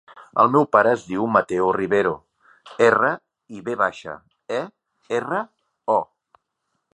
El meu pare es diu Mateo Rivero: erra, i, ve baixa, e, erra, o.